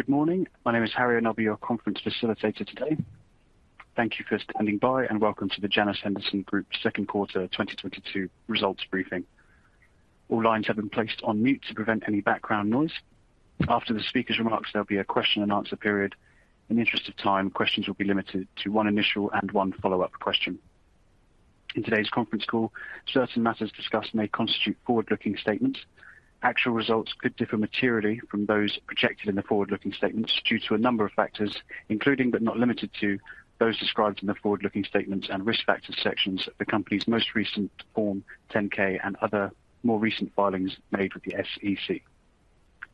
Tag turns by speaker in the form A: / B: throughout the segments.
A: Good morning. My name is Harry, and I'll be your conference facilitator today. Thank you for standing by, and welcome to the Janus Henderson Group second quarter 2022 results briefing. All lines have been placed on mute to prevent any background noise. After the speaker's remarks, there'll be a question-and-answer period. In the interest of time, questions will be limited to one initial and one follow-up question. In today's conference call, certain matters discussed may constitute forward-looking statements. Actual results could differ materially from those projected in the forward-looking statements due to a number of factors, including but not limited to, those described in the forward-looking statements and risk factors sections of the company's most recent Form 10-K and other more recent filings made with the SEC.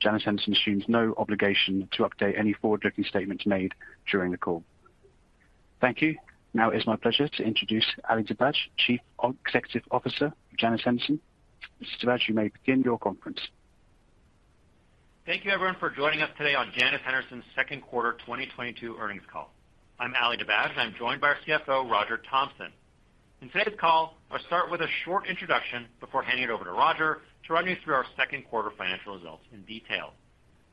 A: Janus Henderson assumes no obligation to update any forward-looking statements made during the call. Thank you. Now it's my pleasure to introduce Ali Dibadj, Chief Executive Officer of Janus Henderson. Mr. Dibadj, you may begin your conference.
B: Thank you, everyone, for joining us today on Janus Henderson's second quarter 2022 earnings call. I'm Ali Dibadj. I'm joined by our CFO, Roger Thompson. In today's call, I'll start with a short introduction before handing it over to Roger to run you through our second quarter financial results in detail.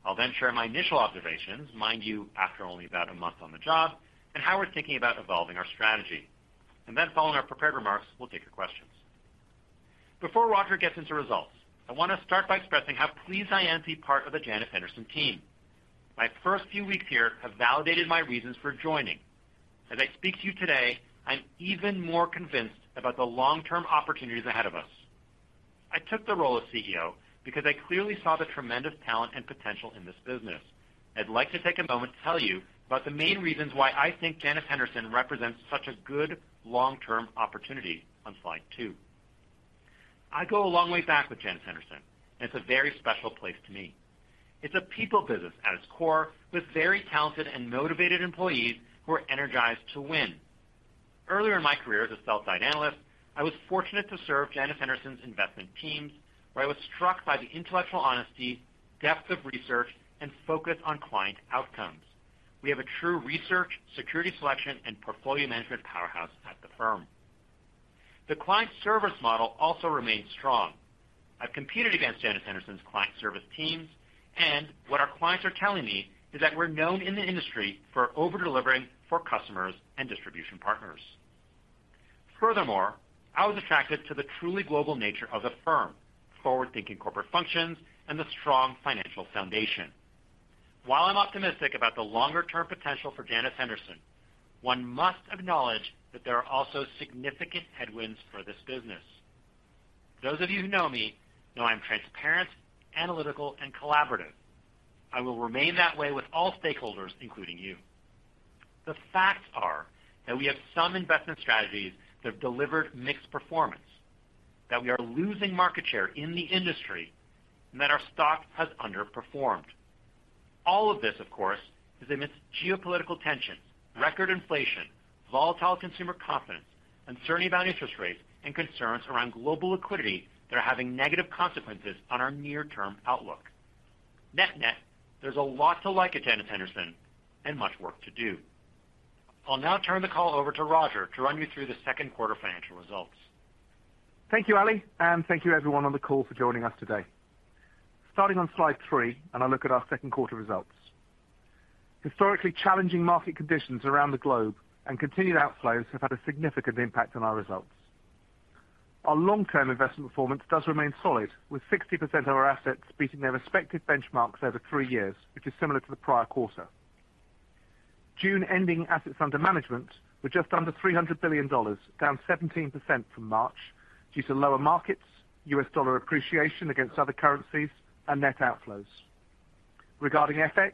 B: I'll then share my initial observations, mind you, after only about a month on the job, and how we're thinking about evolving our strategy. Following our prepared remarks, we'll take your questions. Before Roger gets into results, I wanna start by expressing how pleased I am to be part of the Janus Henderson team. My first few weeks here have validated my reasons for joining. As I speak to you today, I'm even more convinced about the long-term opportunities ahead of us. I took the role of CEO because I clearly saw the tremendous talent and potential in this business. I'd like to take a moment to tell you about the main reasons why I think Janus Henderson represents such a good long-term opportunity on slide two. I go a long way back with Janus Henderson, and it's a very special place to me. It's a people business at its core, with very talented and motivated employees who are energized to win. Earlier in my career as a sell-side analyst, I was fortunate to serve Janus Henderson's investment teams, where I was struck by the intellectual honesty, depth of research, and focus on client outcomes. We have a true research, security selection, and portfolio management powerhouse at the firm. The client service model also remains strong. I've competed against Janus Henderson's client service teams, and what our clients are telling me is that we're known in the industry for over-delivering for customers and distribution partners. Furthermore, I was attracted to the truly global nature of the firm, forward-thinking corporate functions, and the strong financial foundation. While I'm optimistic about the longer term potential for Janus Henderson, one must acknowledge that there are also significant headwinds for this business. Those of you who know me know I'm transparent, analytical, and collaborative. I will remain that way with all stakeholders, including you. The facts are that we have some investment strategies that have delivered mixed performance, that we are losing market share in the industry, and that our stock has underperformed. All of this, of course, is amidst geopolitical tensions, record inflation, volatile consumer confidence, uncertainty about interest rates, and concerns around global liquidity that are having negative consequences on our near-term outlook. Net net, there's a lot to like at Janus Henderson and much work to do. I'll now turn the call over to Roger to run you through the second quarter financial results.
C: Thank you, Ali, and thank you everyone on the call for joining us today. Starting on slide three, I look at our second quarter results. Historically challenging market conditions around the globe and continued outflows have had a significant impact on our results. Our long-term investment performance does remain solid, with 60% of our assets beating their respective benchmarks over three years, which is similar to the prior quarter. June ending assets under management were just under $300 billion, down 17% from March due to lower markets, U.S. dollar appreciation against other currencies, and net outflows. Regarding FX,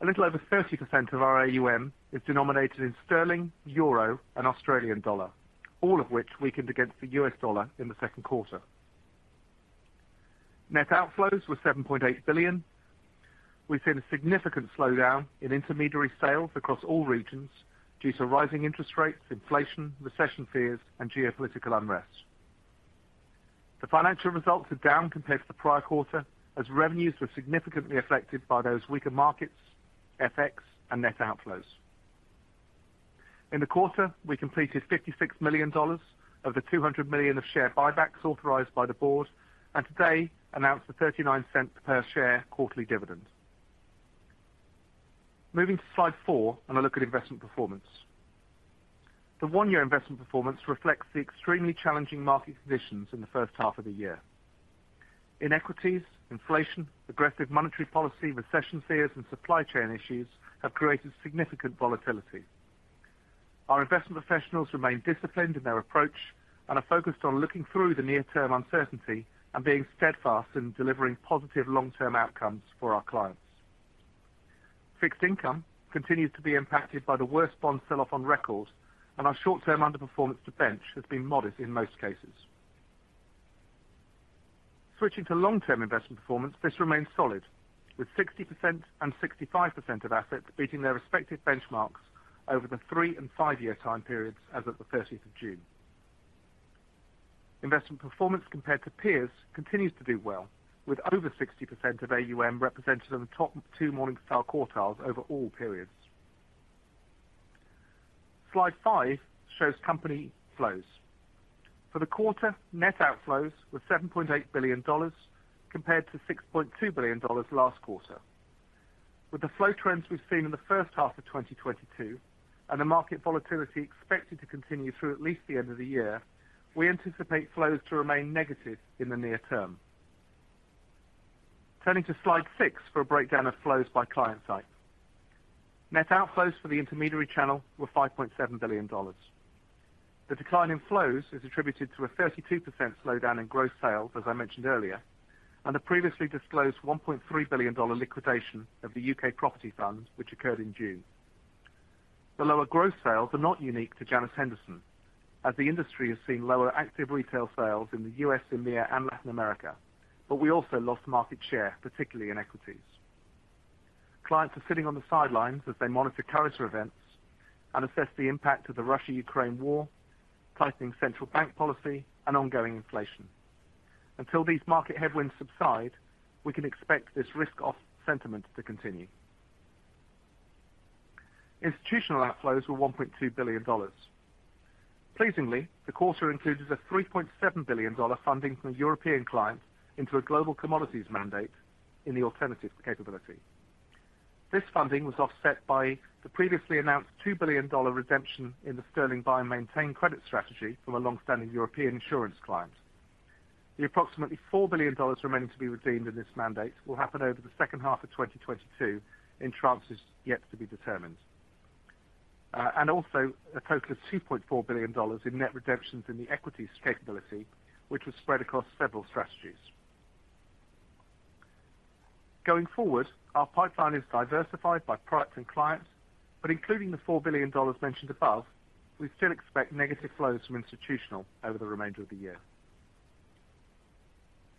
C: a little over 30% of our AUM is denominated in sterling, euro, and Australian dollar, all of which weakened against the U.S. dollar in the second quarter. Net outflows were $7.8 billion. We've seen a significant slowdown in intermediary sales across all regions due to rising interest rates, inflation, recession fears, and geopolitical unrest. The financial results are down compared to the prior quarter as revenues were significantly affected by those weaker markets, FX, and net outflows. In the quarter, we completed $56 million of the $200 million of share buybacks authorized by the board and today announced a $0.39 per share quarterly dividend. Moving to slide four, I look at investment performance. The one-year investment performance reflects the extremely challenging market conditions in the first half of the year. In equities, inflation, aggressive monetary policy, recession fears, and supply chain issues have created significant volatility. Our investment professionals remain disciplined in their approach and are focused on looking through the near-term uncertainty and being steadfast in delivering positive long-term outcomes for our clients. Fixed income continues to be impacted by the worst bond sell-off on record, and our short-term underperformance to benchmark has been modest in most cases. Switching to long-term investment performance, this remains solid, with 60% and 65% of assets beating their respective benchmarks over the three- and five-year time periods as of the thirteenth of June. Investment performance compared to peers continues to do well, with over 60% of AUM represented in the top two Morningstar quartiles over all periods. Slide five shows company flows. For the quarter, net outflows were $7.8 billion compared to $6.2 billion last quarter. With the flow trends we've seen in the first half of 2022 and the market volatility expected to continue through at least the end of the year, we anticipate flows to remain negative in the near term. Turning to slide six for a breakdown of flows by client type. Net outflows for the intermediary channel were $5.7 billion. The decline in flows is attributed to a 32% slowdown in growth sales, as I mentioned earlier, and the previously disclosed $1.3 billion-dollar liquidation of the U.K. property funds which occurred in June. The lower growth sales are not unique to Janus Henderson, as the industry has seen lower active retail sales in the U.S., EMEA, and Latin America. We also lost market share, particularly in equities. Clients are sitting on the sidelines as they monitor current events and assess the impact of the Russia-Ukraine war, tightening central bank policy, and ongoing inflation. Until these market headwinds subside, we can expect this risk-off sentiment to continue. Institutional outflows were $1.2 billion. Pleasingly, the quarter includes a $3.7 billion funding from European clients into a global commodities mandate in the alternatives capability. This funding was offset by the previously announced $2 billion redemption in the sterling buy and maintain credit strategy from a long-standing European insurance client. The approximately $4 billion remaining to be redeemed in this mandate will happen over the second half of 2022 in tranches yet to be determined. A total of $2.4 billion in net redemptions in the equities capability, which was spread across several strategies. Going forward, our pipeline is diversified by products and clients, but including the $4 billion mentioned above, we still expect negative flows from institutional over the remainder of the year.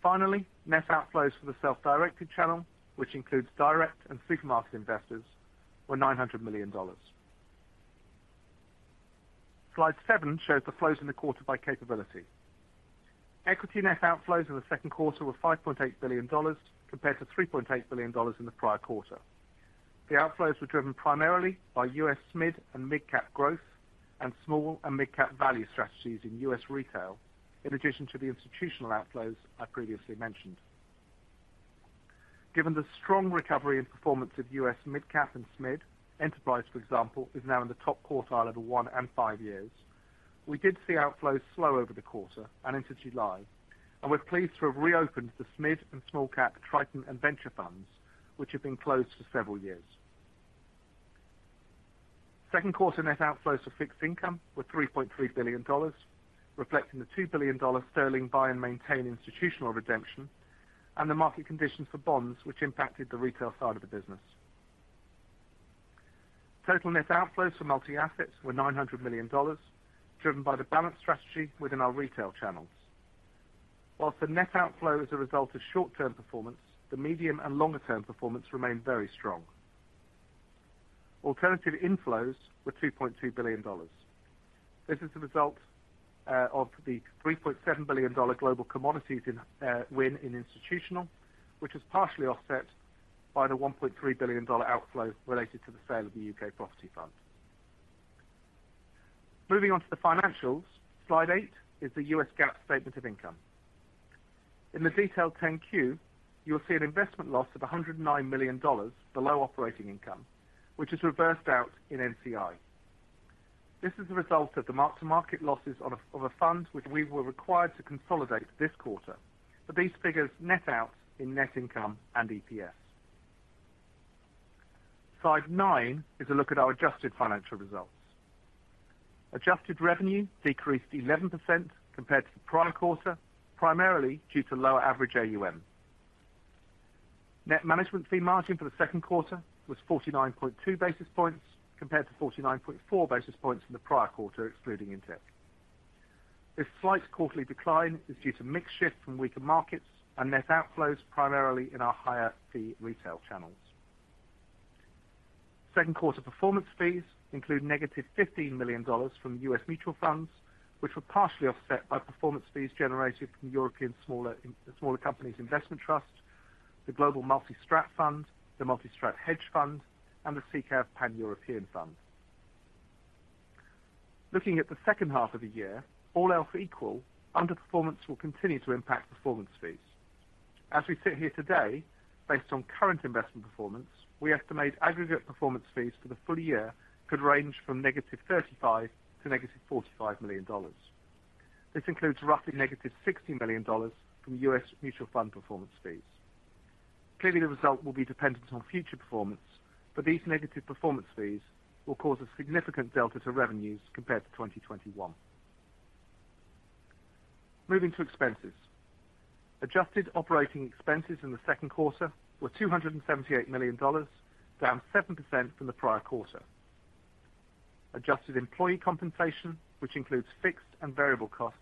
C: Finally, net outflows for the self-directed channel, which includes direct and supermarket investors, were $900 million. Slide seven shows the flows in the quarter by capability. Equity net outflows in the second quarter were $5.8 billion compared to $3.8 billion in the prior quarter. The outflows were driven primarily by U.S. mid- and mid-cap growth and small- and mid-cap value strategies in U.S. retail, in addition to the institutional outflows I previously mentioned. Given the strong recovery and performance of U.S. mid-cap and SMID, Enterprise, for example, is now in the top quartile of the one- and five-year. We did see outflows slow over the quarter and into July, and we're pleased to have reopened the SMID and small-cap Triton and Venture funds, which have been closed for several years. Second quarter net outflows for fixed income were $3.3 billion, reflecting the $2 billion sterling buy and maintain institutional redemption and the market conditions for bonds which impacted the retail side of the business. Total net outflows for multi-assets were $900 million, driven by the balance strategy within our retail channels. While the net outflow is a result of short-term performance, the medium and longer term performance remained very strong. Alternative inflows were $2.2 billion. This is a result of the $3.7 billion global commodities inflows in institutional, which was partially offset by the $1.3 billion outflow related to the sale of the U.K. property fund. Moving on to the financials. Slide eight is the U.S. GAAP statement of income. In the detailed 10-Q, you will see an investment loss of $109 million below operating income, which is reversed out in NCI. This is a result of the mark-to-market losses of a fund which we were required to consolidate this quarter, but these figures net out in net income and EPS. Slide nine is a look at our adjusted financial results. Adjusted revenue decreased 11% compared to the prior quarter, primarily due to lower average AUM. Net management fee margin for the second quarter was 49.2 basis points, compared to 49.4 basis points in the prior quarter, excluding Intech. This slight quarterly decline is due to mix shift from weaker markets and net outflows primarily in our higher fee retail channels. Second quarter performance fees include negative $15 million from U.S. mutual funds, which were partially offset by performance fees generated from European Smaller Companies investment trust, the Global Multi-Strategy Fund, the Multi-Strategy Hedge Fund, and the SICAV Pan-European Fund. Looking at the second half of the year, all else equal, underperformance will continue to impact performance fees. As we sit here today, based on current investment performance, we estimate aggregate performance fees for the full year could range from negative $35 million-$45 million. This includes roughly negative $60 million from U.S. mutual fund performance fees. Clearly, the result will be dependent on future performance, but these negative performance fees will cause a significant delta to revenues compared to 2021. Moving to expenses. Adjusted operating expenses in the second quarter were $278 million, down 7% from the prior quarter. Adjusted employee compensation, which includes fixed and variable costs,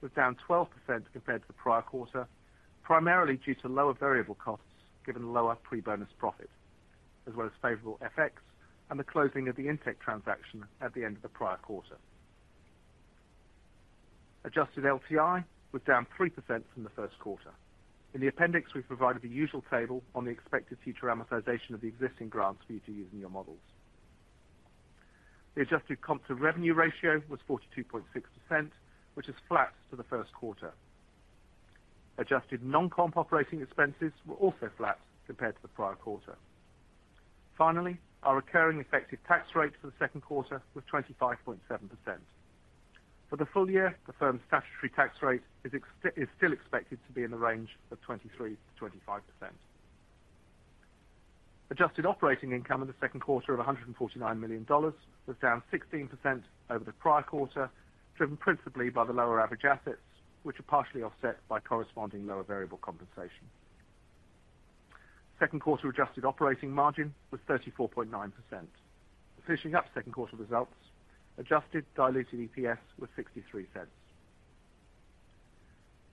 C: was down 12% compared to the prior quarter, primarily due to lower variable costs given lower pre-bonus profit, as well as favorable FX and the closing of the Intech transaction at the end of the prior quarter. Adjusted LTI was down 3% from the first quarter. In the appendix, we provided the usual table on the expected future amortization of the existing grants for you to use in your models. The adjusted comp to revenue ratio was 42.6%, which is flat to the first quarter. Adjusted non-comp operating expenses were also flat compared to the prior quarter. Finally, our recurring effective tax rate for the second quarter was 25.7%. For the full year, the firm's statutory tax rate is still expected to be in the range of 23%-25%. Adjusted operating income in the second quarter of $149 million was down 16% over the prior quarter, driven principally by the lower average assets, which are partially offset by corresponding lower variable compensation. Second quarter adjusted operating margin was 34.9%. Finishing up second quarter results, adjusted diluted EPS was $0.63.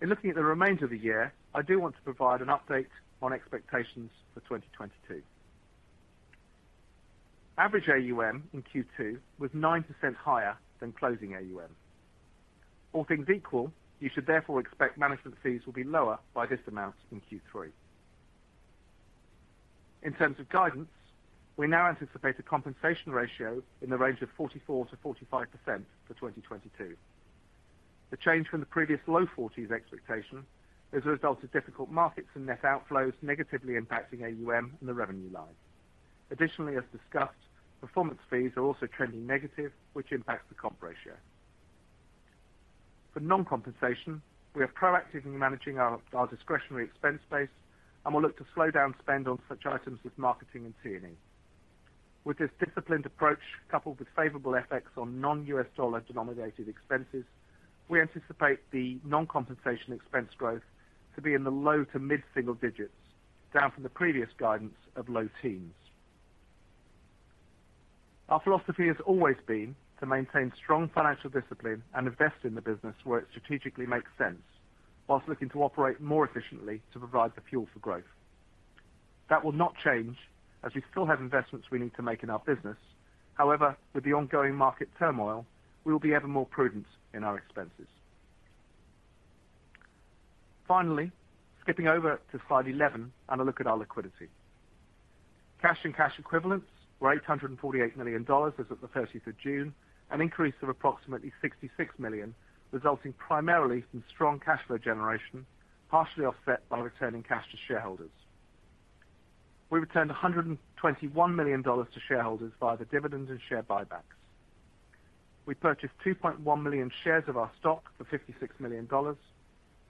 C: In looking at the remainder of the year, I do want to provide an update on expectations for 2022. Average AUM in Q2 was 9% higher than closing AUM. All things equal, you should therefore expect management fees will be lower by this amount in Q3. In terms of guidance, we now anticipate a compensation ratio in the range of 44%-45% for 2022. The change from the previous low 40 expectation is a result of difficult markets and net outflows negatively impacting AUM and the revenue line. Additionally, as discussed, performance fees are also trending negative, which impacts the comp ratio. For non-compensation, we are proactively managing our discretionary expense base and will look to slow down spend on such items as marketing and T&E. With this disciplined approach, coupled with favorable FX on non-U.S. dollar denominated expenses, we anticipate the non-compensation expense growth to be in the low to mid-single digits, down from the previous guidance of low teens. Our philosophy has always been to maintain strong financial discipline and invest in the business where it strategically makes sense, while looking to operate more efficiently to provide the fuel for growth. That will not change as we still have investments we need to make in our business. However, with the ongoing market turmoil, we will be ever more prudent in our expenses. Finally, skipping over to slide 11 and a look at our liquidity. Cash and cash equivalents were $848 million as of June 30, an increase of approximately $66 million, resulting primarily from strong cash flow generation, partially offset by returning cash to shareholders. We returned $121 million to shareholders via the dividends and share buybacks. We purchased 2.1 million shares of our stock for $56 million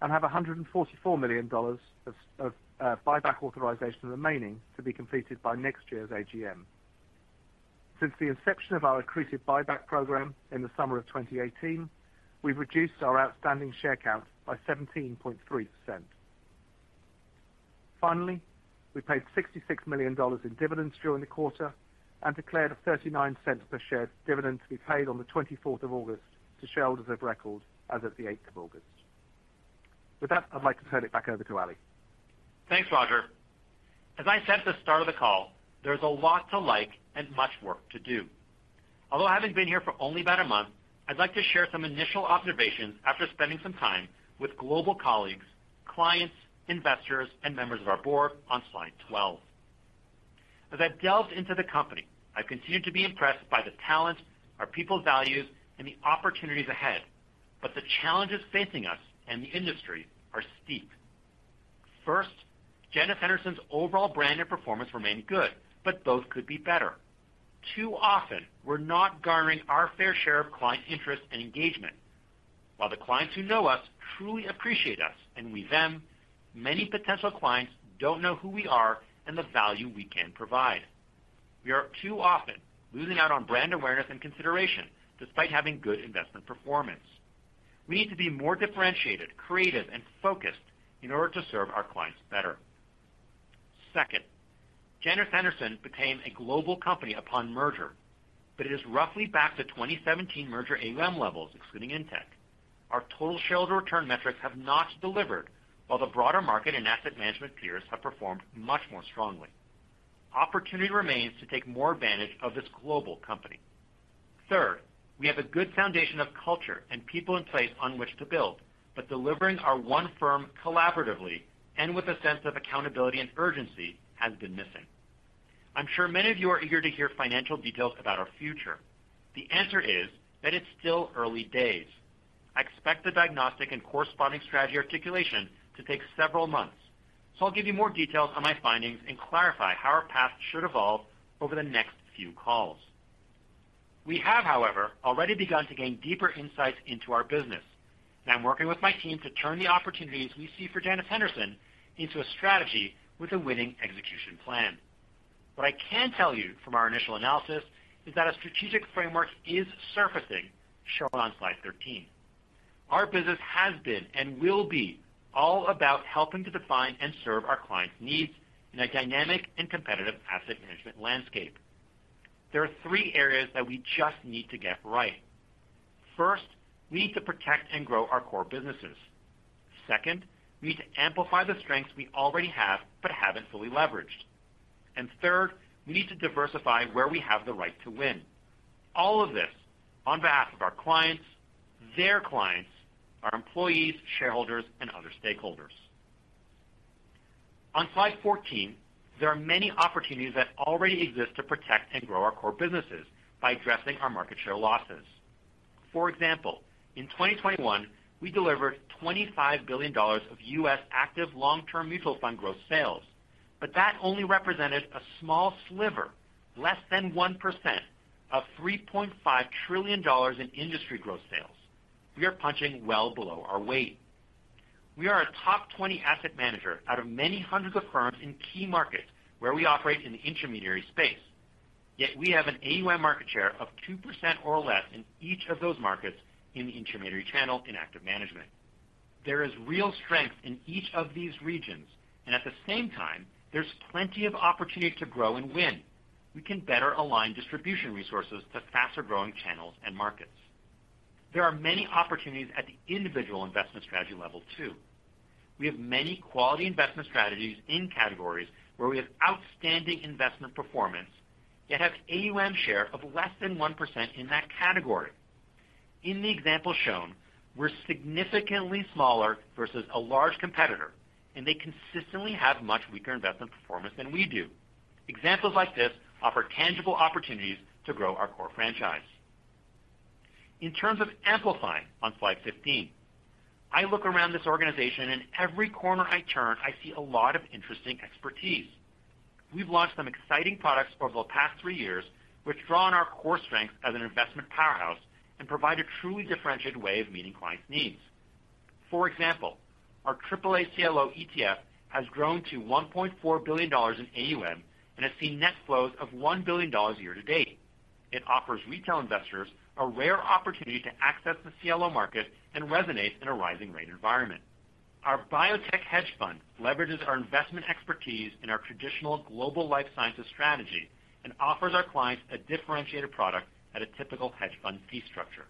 C: and have $144 million of buyback authorization remaining to be completed by next year's AGM. Since the inception of our accretive buyback program in the summer of 2018, we've reduced our outstanding share count by 17.3%. Finally, we paid $66 million in dividends during the quarter and declared a $0.39 per share dividend to be paid on the twenty-fourth of August to shareholders of record as of the eighth of August. With that, I'd like to turn it back over to Ali.
B: Thanks, Roger. As I said at the start of the call, there's a lot to like and much work to do. Although having been here for only about a month, I'd like to share some initial observations after spending some time with global colleagues, clients, investors, and members of our board on slide 12. As I delved into the company, I continued to be impressed by the talent, our people values, and the opportunities ahead. The challenges facing us and the industry are steep. First, Janus Henderson's overall brand and performance remain good, but both could be better. Too often, we're not garnering our fair share of client interest and engagement. While the clients who know us truly appreciate us and we them, many potential clients don't know who we are and the value we can provide. We are too often losing out on brand awareness and consideration despite having good investment performance. We need to be more differentiated, creative, and focused in order to serve our clients better. Second, Janus Henderson became a global company upon merger, but it is roughly back to 2017 merger AUM levels, excluding Intech. Our total shareholder return metrics have not delivered, while the broader market and asset management peers have performed much more strongly. Opportunity remains to take more advantage of this global company. Third, we have a good foundation of culture and people in place on which to build, but delivering our one firm collaboratively and with a sense of accountability and urgency has been missing. I'm sure many of you are eager to hear financial details about our future. The answer is that it's still early days. I expect the diagnostic and corresponding strategy articulation to take several months, so I'll give you more details on my findings and clarify how our path should evolve over the next few calls. We have, however, already begun to gain deeper insights into our business, and I'm working with my team to turn the opportunities we see for Janus Henderson into a strategy with a winning execution plan. What I can tell you from our initial analysis is that a strategic framework is surfacing, shown on slide 13. Our business has been and will be all about helping to define and serve our clients' needs in a dynamic and competitive asset management landscape. There are three areas that we just need to get right. First, we need to protect and grow our core businesses. Second, we need to amplify the strengths we already have but haven't fully leveraged. Third, we need to diversify where we have the right to win. All of this on behalf of our clients, their clients, our employees, shareholders, and other stakeholders. On slide 14, there are many opportunities that already exist to protect and grow our core businesses by addressing our market share losses. For example, in 2021, we delivered $25 billion of U.S. active long-term mutual fund growth sales, but that only represented a small sliver, less than 1% of $3.5 trillion in industry growth sales. We are punching well below our weight. We are a top 20 asset manager out of many hundreds of firms in key markets where we operate in the intermediary space. Yet we have an AUM market share of 2% or less in each of those markets in the intermediary channel in active management. There is real strength in each of these regions, and at the same time, there's plenty of opportunity to grow and win. We can better align distribution resources to faster-growing channels and markets. There are many opportunities at the individual investment strategy level too. We have many quality investment strategies in categories where we have outstanding investment performance, yet have AUM share of less than 1% in that category. In the example shown, we're significantly smaller versus a large competitor, and they consistently have much weaker investment performance than we do. Examples like this offer tangible opportunities to grow our core franchise. In terms of amplifying on slide 15, I look around this organization and every corner I turn, I see a lot of interesting expertise. We've launched some exciting products over the past three years, which draw on our core strength as an investment powerhouse and provide a truly differentiated way of meeting clients' needs. For example, our AAA CLO ETF has grown to $1.4 billion in AUM and has seen net flows of $1 billion year to date. It offers retail investors a rare opportunity to access the CLO market and resonates in a rising rate environment. Our biotech hedge fund leverages our investment expertise in our traditional global life sciences strategy and offers our clients a differentiated product at a typical hedge fund fee structure.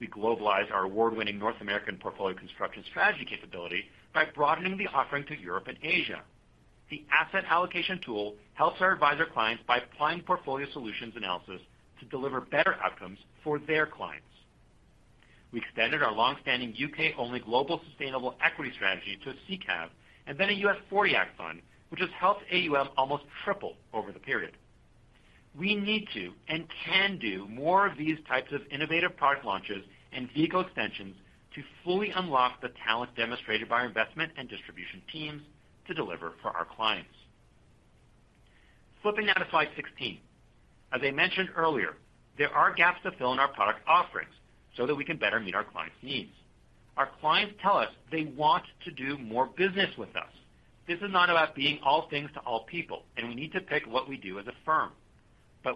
B: We globalize our award-winning North American portfolio construction strategy capability by broadening the offering to Europe and Asia. The asset allocation tool helps our advisor clients by applying portfolio solutions analysis to deliver better outcomes for their clients. We extended our long-standing U.K.-only global sustainable equity strategy to a SICAV and then a U.S. '40 Act fund, which has helped AUM almost triple over the period. We need to and can do more of these types of innovative product launches and vehicle extensions to fully unlock the talent demonstrated by our investment and distribution teams to deliver for our clients. Flipping now to slide 16. As I mentioned earlier, there are gaps to fill in our product offerings so that we can better meet our clients' needs. Our clients tell us they want to do more business with us. This is not about being all things to all people, and we need to pick what we do as a firm.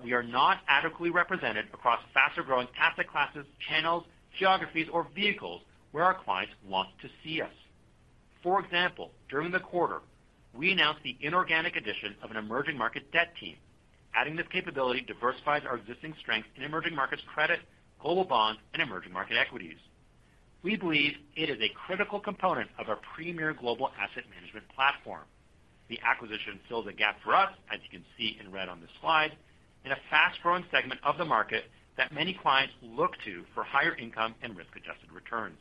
B: We are not adequately represented across faster-growing asset classes, channels, geographies, or vehicles where our clients want to see us. For example, during the quarter, we announced the inorganic addition of an emerging market debt team. Adding this capability diversifies our existing strength in emerging markets credit, global bonds, and emerging market equities. We believe it is a critical component of our premier global asset management platform. The acquisition fills a gap for us, as you can see in red on this slide, in a fast-growing segment of the market that many clients look to for higher income and risk-adjusted returns.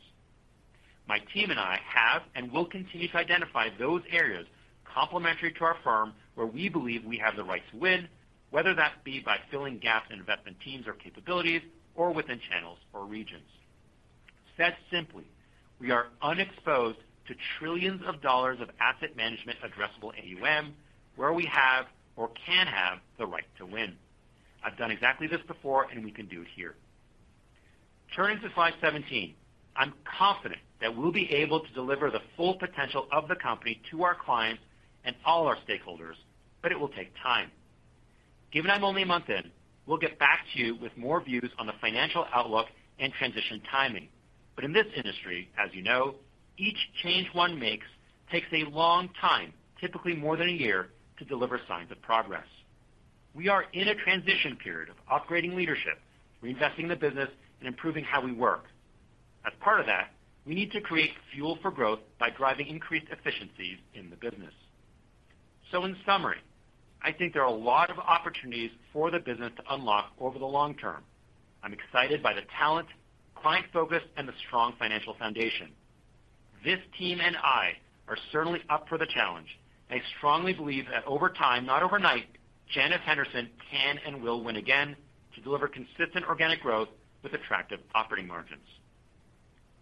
B: My team and I have and will continue to identify those areas complementary to our firm where we believe we have the right to win, whether that be by filling gaps in investment teams or capabilities or within channels or regions. Said simply, we are unexposed to trillions of dollars of asset management addressable AUM where we have or can have the right to win. I've done exactly this before, and we can do it here. Turning to slide 17. I'm confident that we'll be able to deliver the full potential of the company to our clients and all our stakeholders, but it will take time. Given I'm only a month in, we'll get back to you with more views on the financial outlook and transition timing. In this industry, as you know, each change one makes takes a long time, typically more than a year, to deliver signs of progress. We are in a transition period of upgrading leadership, reinvesting the business, and improving how we work. As part of that, we need to create fuel for growth by driving increased efficiencies in the business. In summary, I think there are a lot of opportunities for the business to unlock over the long term. I'm excited by the talent, client focus, and the strong financial foundation. This team and I are certainly up for the challenge. I strongly believe that over time, not overnight, Janus Henderson can and will win again to deliver consistent organic growth with attractive operating margins.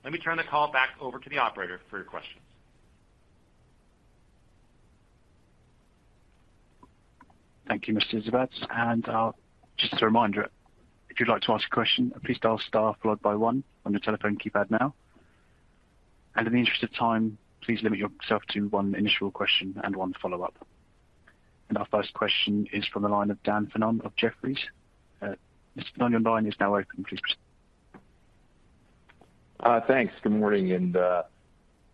B: Let me turn the call back over to the operator for your questions.
A: Thank you, Mr. Dibadj. Just a reminder, if you'd like to ask a question, please dial star followed by one on your telephone keypad now. In the interest of time, please limit yourself to one initial question and one follow-up. Our first question is from the line of Dan Fannon of Jefferies. Mr. Fannon, your line is now open. Please proceed.
D: Thanks. Good morning, and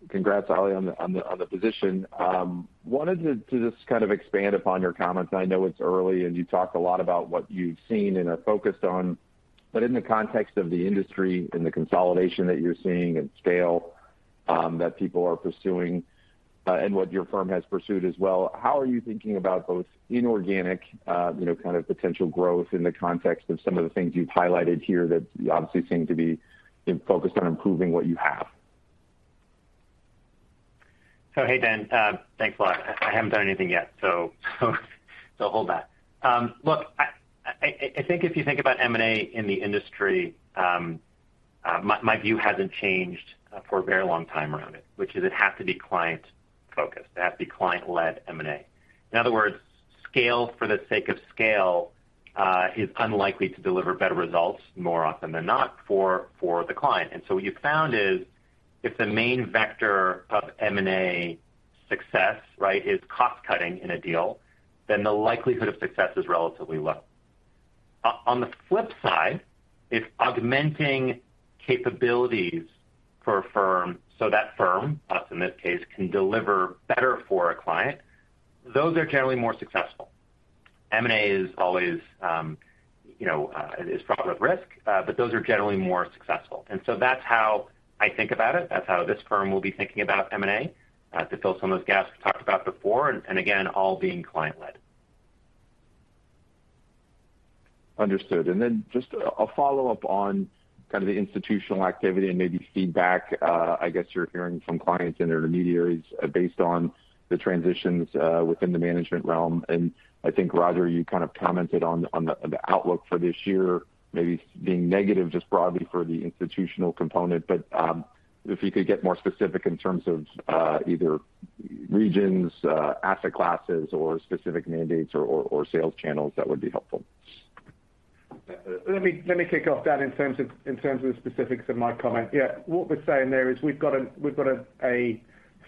D: congrats, Ali, on the position. Wanted to just kind of expand upon your comments. I know it's early, and you talked a lot about what you've seen and are focused on. In the context of the industry and the consolidation that you're seeing and scale that people are pursuing, and what your firm has pursued as well, how are you thinking about both inorganic, you know, kind of potential growth in the context of some of the things you've highlighted here that you obviously seem to be in focus on improving what you have?
B: Hey, Dan. Thanks a lot. I haven't done anything yet, so hold that. Look, I think if you think about M&A in the industry, my view hasn't changed for a very long time around it, which is it has to be client-focused. It has to be client-led M&A. In other words, scale for the sake of scale is unlikely to deliver better results more often than not for the client. What you've found is if the main vector of M&A success, right, is cost-cutting in a deal, then the likelihood of success is relatively low. On the flip side, if augmenting capabilities for a firm, so that firm, us in this case, can deliver better for a client, those are generally more successful. M&A is always, you know, is fraught with risk, but those are generally more successful. That's how I think about it. That's how this firm will be thinking about M&A, to fill some of those gaps we talked about before, and again, all being client-led.
D: Understood. Just a follow-up on kind of the institutional activity and maybe feedback. I guess you're hearing from clients and their intermediaries based on the transitions within the management realm. I think, Roger, you kind of commented on the outlook for this year maybe being negative just broadly for the institutional component. If you could get more specific in terms of either regions, asset classes or specific mandates or sales channels, that would be helpful.
C: Let me kick off, Dan, in terms of the specifics of my comment. Yeah. What we're saying there is we've got a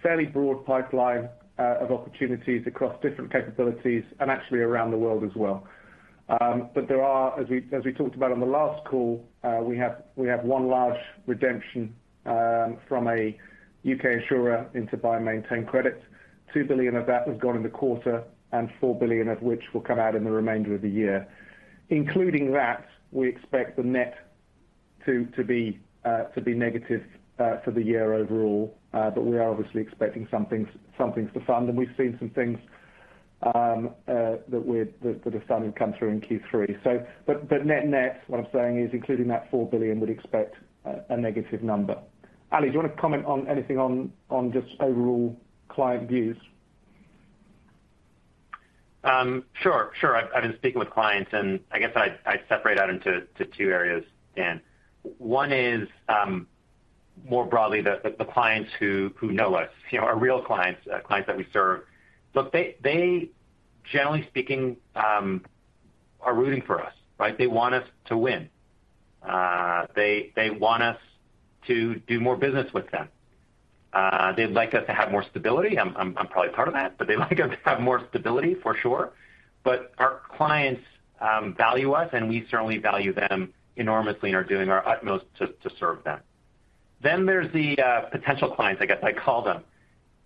C: fairly broad pipeline of opportunities across different capabilities and actually around the world as well. But there are, as we talked about on the last call, we have one large redemption from a U.K. insurer into buy-and-maintain credits. $2 billion of that has gone in the quarter and $4 billion of which will come out in the remainder of the year. Including that, we expect the net to be negative for the year overall. But we are obviously expecting some things to fund, and we've seen some things that have started to come through in Q3. So the net-net, what I'm saying is including that $4 billion would expect a negative number. Ali, do you want to comment on anything on just overall client views?
B: Sure. I've been speaking with clients, and I guess I'd separate that into two areas, Dan. One is more broadly the clients who know us, you know, our real clients that we serve. Look, they generally speaking are rooting for us, right? They want us to win. They want us to do more business with them. They'd like us to have more stability. I'm probably part of that, but they'd like us to have more stability for sure. Our clients value us, and we certainly value them enormously and are doing our utmost to serve them. There's the potential clients, I guess I call them.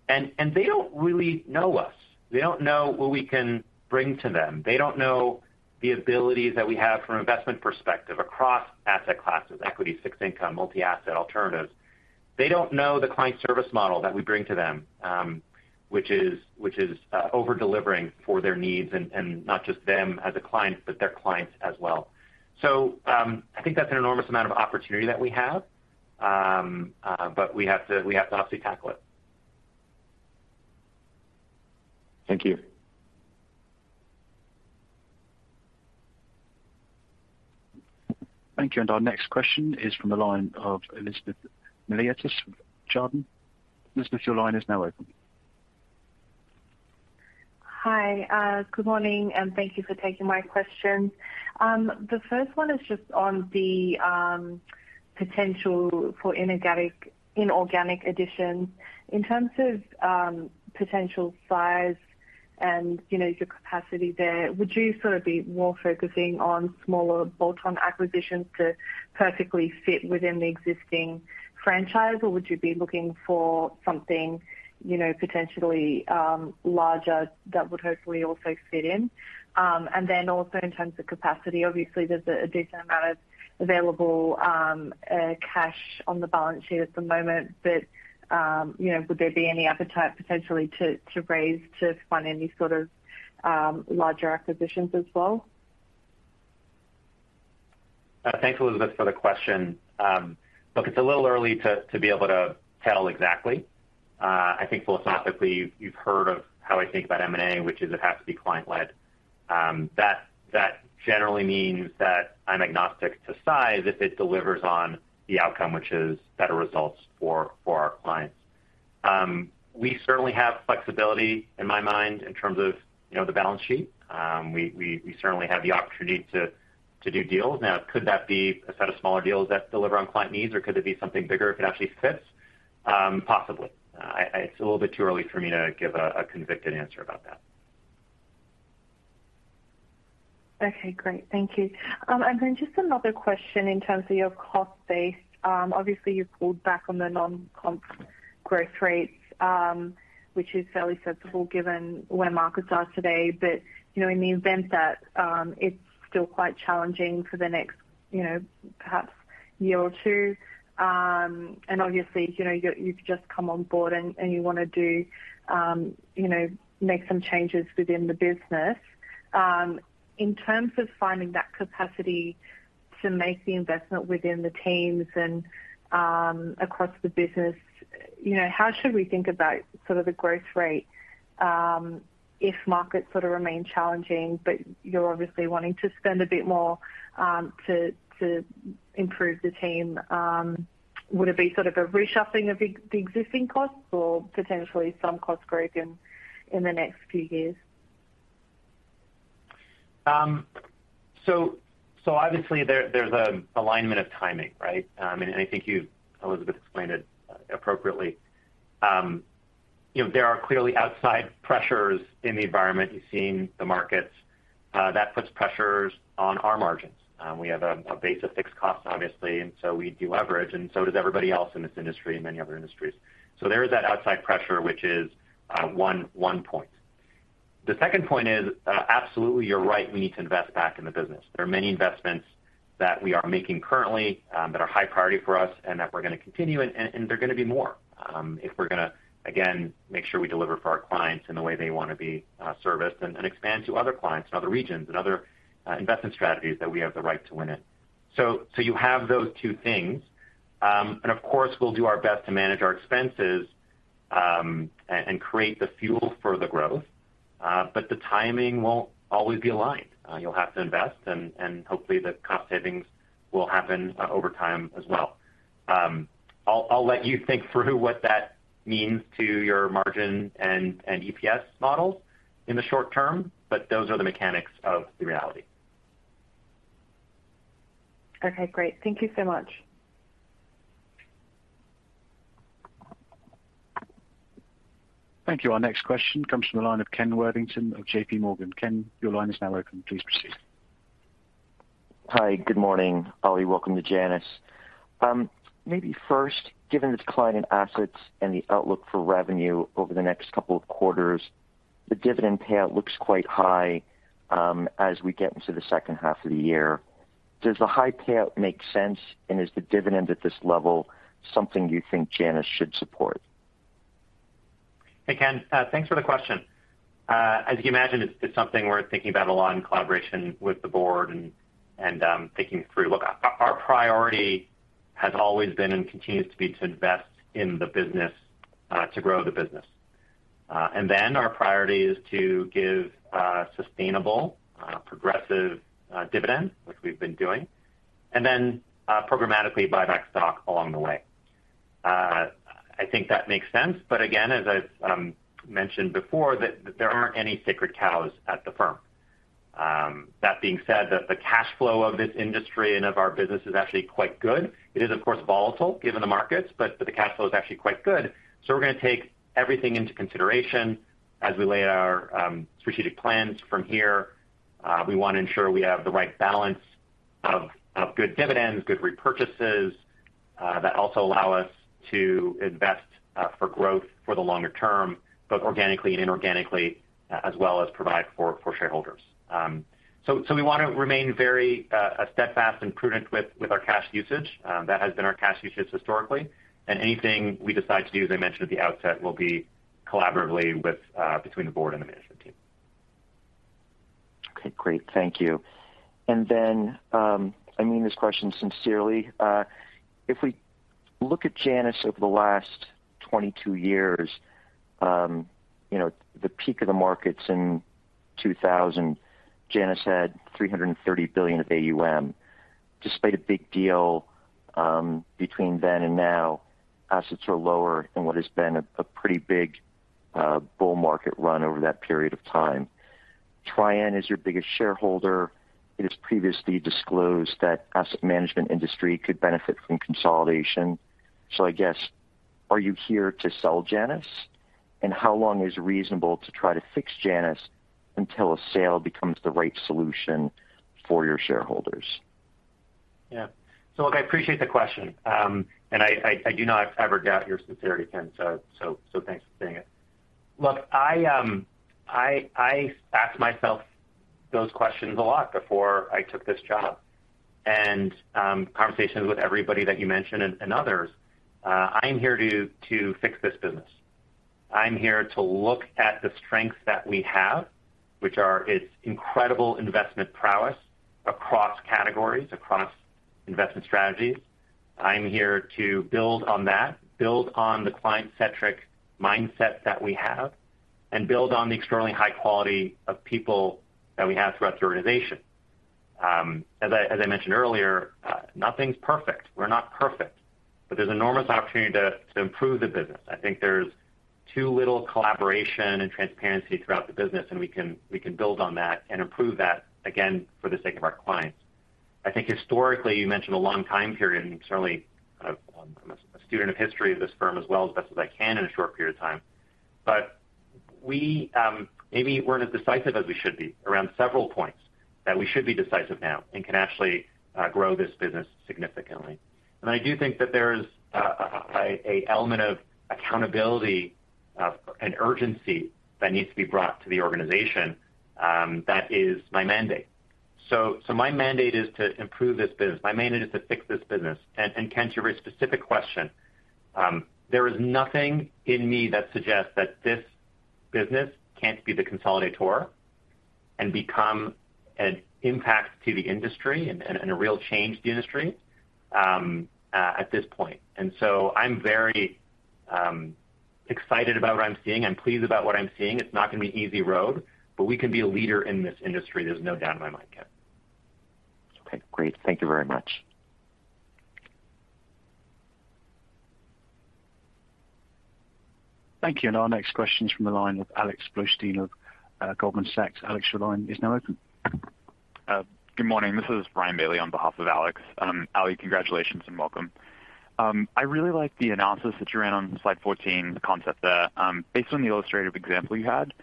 B: They don't really know us. They don't know what we can bring to them. They don't know the abilities that we have from an investment perspective across asset classes, equity, fixed income, multi-asset, alternatives. They don't know the client service model that we bring to them, which is over-delivering for their needs and not just them as a client, but their clients as well. I think that's an enormous amount of opportunity that we have. We have to obviously tackle it.
D: Thank you.
A: Thank you. Our next question is from the line of Elizabeth Miliatis from Jarden. Elizabeth, your line is now open.
E: Hi. Good morning, and thank you for taking my questions. The first one is just on the potential for inorganic additions. In terms of potential size and, you know, your capacity there, would you sort of be more focusing on smaller bolt-on acquisitions to perfectly fit within the existing franchise, or would you be looking for something, you know, potentially larger that would hopefully also fit in? And then also in terms of capacity, obviously there's a decent amount of available cash on the balance sheet at the moment. You know, would there be any appetite potentially to raise to fund any sort of larger acquisitions as well?
B: Thanks, Elizabeth, for the question. Look, it's a little early to be able to tell exactly. I think philosophically, you've heard of how I think about M&A, which is it has to be client-led. That generally means that I'm agnostic to size if it delivers on the outcome, which is better results for our clients. We certainly have flexibility in my mind in terms of, you know, the balance sheet. We certainly have the opportunity to do deals. Now, could that be a set of smaller deals that deliver on client needs, or could it be something bigger if it actually fits? Possibly. It's a little bit too early for me to give a convicted answer about that.
E: Okay, great. Thank you. Just another question in terms of your cost base. Obviously you've pulled back on the non-comp growth rates, which is fairly sensible given where markets are today. You know, in the event that it's still quite challenging for the next, you know, perhaps a year or two. Obviously, you know, you've just come on board and you wanna do, you know, make some changes within the business. In terms of finding that capacity to make the investment within the teams and across the business, you know, how should we think about sort of the growth rate if markets sort of remain challenging, but you're obviously wanting to spend a bit more to improve the team? Would it be sort of a reshuffling of the existing costs or potentially some cost growth in the next few years?
B: Obviously there's an alignment of timing, right? Elizabeth explained it appropriately. You know, there are clearly outside pressures in the environment. You've seen the markets. That puts pressures on our margins. We have a base of fixed costs, obviously, and so we deleverage, and so does everybody else in this industry and many other industries. There is that outside pressure, which is one point. The second point is absolutely, you're right, we need to invest back in the business. There are many investments that we are making currently, that are high priority for us and that we're gonna continue and they're gonna be more, if we're gonna, again, make sure we deliver for our clients in the way they wanna be serviced and expand to other clients in other regions and other investment strategies that we have the right to win in. You have those two things. Of course, we'll do our best to manage our expenses and create the fuel for the growth, but the timing won't always be aligned. You'll have to invest and hopefully the cost savings will happen over time as well. I'll let you think through what that means to your margin and EPS models in the short term, but those are the mechanics of the reality.
E: Okay, great. Thank you so much.
A: Thank you. Our next question comes from the line of Ken Worthington of JPMorgan. Ken, your line is now open. Please proceed.
F: Hi, good morning, Ali. Welcome to Janus. Maybe first, given the decline in assets and the outlook for revenue over the next couple of quarters, the dividend payout looks quite high, as we get into the second half of the year. Does the high payout make sense, and is the dividend at this level something you think Janus should support?
B: Hey, Ken. Thanks for the question. As you can imagine, it's something we're thinking about a lot in collaboration with the board and thinking through. Look, our priority has always been and continues to be to invest in the business to grow the business. Our priority is to give sustainable progressive dividend, which we've been doing, and then programmatically buy back stock along the way. I think that makes sense. Again, as I've mentioned before, there aren't any sacred cows at the firm. That being said, the cash flow of this industry and of our business is actually quite good. It is of course volatile given the markets, but the cash flow is actually quite good. We're gonna take everything into consideration as we lay out our strategic plans from here. We wanna ensure we have the right balance of good dividends, good repurchases, that also allow us to invest for growth for the longer term, both organically and inorganically, as well as provide for shareholders. We wanna remain very steadfast and prudent with our cash usage. That has been our cash usage historically. Anything we decide to do, as I mentioned at the outset, will be collaboratively between the board and the management team.
F: Okay, great. Thank you. I mean this question sincerely. If we look at Janus over the last 22 years, you know, the peak of the markets in 2000, Janus had $330 billion of AUM. Despite a big deal between then and now, assets are lower than what has been a pretty big bull market run over that period of time. Trian is your biggest shareholder. It has previously disclosed that asset management industry could benefit from consolidation. I guess, are you here to sell Janus? How long is reasonable to try to fix Janus until a sale becomes the right solution for your shareholders?
B: Yeah. Look, I appreciate the question. I do not ever doubt your sincerity, Ken, so thanks for saying it. Look, I asked myself those questions a lot before I took this job. Conversations with everybody that you mentioned and others, I'm here to fix this business. I'm here to look at the strengths that we have, which are its incredible investment prowess across categories, across investment strategies. I'm here to build on that, build on the client-centric mindset that we have, and build on the extremely high quality of people that we have throughout the organization. As I mentioned earlier, nothing's perfect. We're not perfect, but there's enormous opportunity to improve the business. I think there's too little collaboration and transparency throughout the business, and we can build on that and improve that, again, for the sake of our clients. I think historically, you mentioned a long time period, and certainly I'm a student of history of this firm as well, as best as I can in a short period of time. We maybe weren't as decisive as we should be around several points that we should be decisive now and can actually grow this business significantly. I do think that there's an element of accountability, an urgency that needs to be brought to the organization, that is my mandate. My mandate is to improve this business. My mandate is to fix this business. Ken, to your specific question, there is nothing in me that suggests that this business can't be the consolidator and become an impact to the industry and a real change to the industry at this point. I'm very excited about what I'm seeing. I'm pleased about what I'm seeing. It's not gonna be an easy road, but we can be a leader in this industry. There's no doubt in my mind, Ken.
F: Okay, great. Thank you very much.
A: Thank you. Our next question's from the line of Alex Blostein of Goldman Sachs. Alex, your line is now open.
G: Good morning. This is Ryan Bailey on behalf of Alex. Ali, congratulations and welcome. I really like the analysis that you ran on slide 14, the concept there. Based on the illustrative example you had,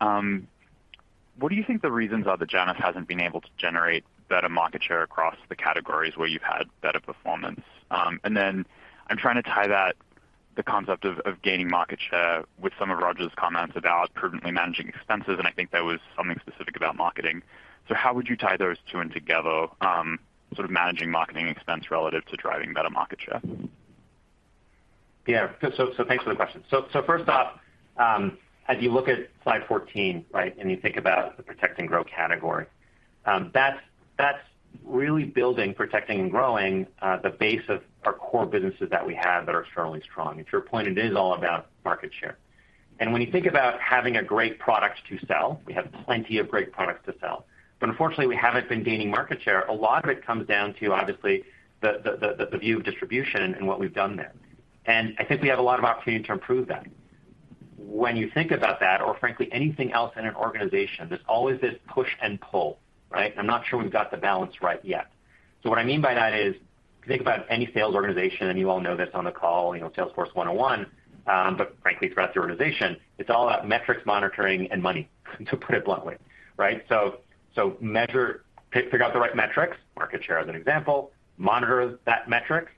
G: what do you think the reasons are that Janus hasn't been able to generate better market share across the categories where you've had better performance? I'm trying to tie that, the concept of gaining market share with some of Roger's comments about prudently managing expenses, and I think there was something specific about marketing. How would you tie those two in together, sort of managing marketing expense relative to driving better market share?
B: Yeah. Thanks for the question. First off, as you look at slide 14, right? You think about the protect and grow category. That's really building, protecting, and growing the base of our core businesses that we have that are strong. To your point, it is all about market share. When you think about having a great product to sell, we have plenty of great products to sell, but unfortunately, we haven't been gaining market share. A lot of it comes down to, obviously, the view of distribution and what we've done there. I think we have a lot of opportunity to improve that. When you think about that, or frankly, anything else in an organization, there's always this push and pull, right? I'm not sure we've got the balance right yet. What I mean by that is, if you think about any sales organization, and you all know this on the call, you know, Salesforce 101, but frankly, throughout the organization, it's all about metrics, monitoring, and money, to put it bluntly, right? Pick out the right metrics, market share as an example, monitor that metric,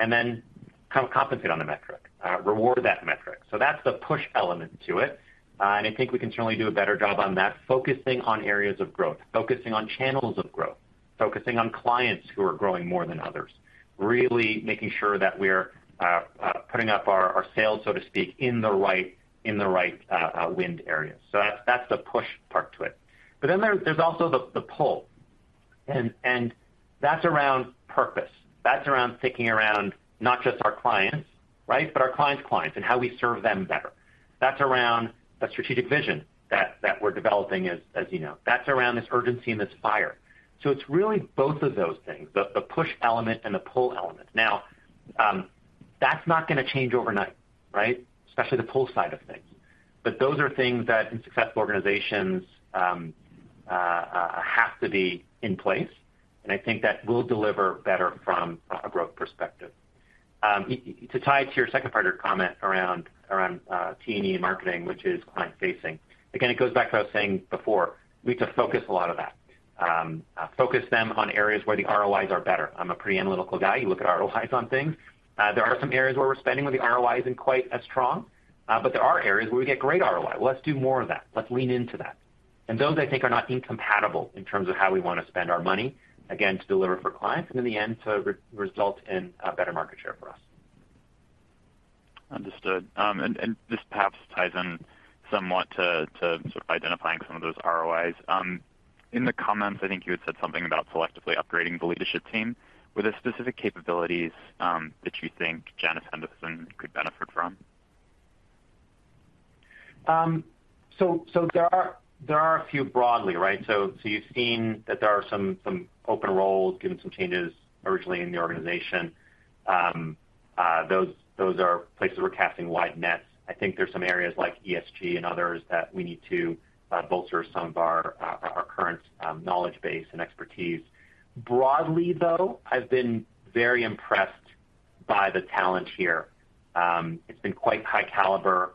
B: and then compensate on the metric, reward that metric. That's the push element to it. I think we can certainly do a better job on that, focusing on areas of growth, focusing on channels of growth, focusing on clients who are growing more than others. Really making sure that we're putting up our sales, so to speak, in the right winning areas. That's the push part to it. There's also the pull, and that's around purpose. That's around thinking around not just our clients, right? Our clients' clients and how we serve them better. That's around the strategic vision that we're developing, as you know. That's around this urgency and this fire. It's really both of those things, the push element and the pull element. Now, that's not gonna change overnight, right? Especially the pull side of things. Those are things that in successful organizations have to be in place, and I think that will deliver better from a growth perspective. To tie to your second part of your comment around T&E marketing, which is client-facing. Again, it goes back to what I was saying before. We need to focus a lot of that. Focus them on areas where the ROIs are better. I'm a pretty analytical guy. You look at ROIs on things. There are some areas where we're spending where the ROI isn't quite as strong. There are areas where we get great ROI. Well, let's do more of that. Let's lean into that. Those, I think, are not incompatible in terms of how we wanna spend our money, again, to deliver for clients, and in the end, to result in better market share for us.
G: Understood. This perhaps ties in somewhat to sort of identifying some of those ROIs. In the comments, I think you had said something about selectively upgrading the leadership team. Were there specific capabilities that you think Janus Henderson could benefit from?
B: There are a few, broadly, right? You've seen that there are some open roles given some changes originally in the organization. Those are places we're casting wide nets. I think there are some areas like ESG and others that we need to bolster some of our current knowledge base and expertise. Broadly, though, I've been very impressed by the talent here. It's been quite high caliber.